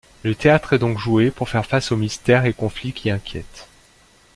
Le théâtre est donc joué pour faire face aux mystères et conflits qui inquiètent.